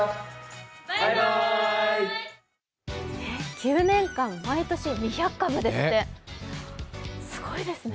９年間毎年２００株ですって、すごいですね。